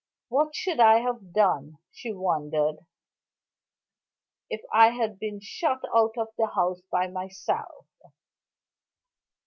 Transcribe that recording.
"What should I have done," she wondered, "if I had been shut out of the house by myself?"